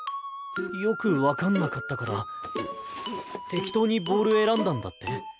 よく分かんなかったから適当にボール選んだんだって？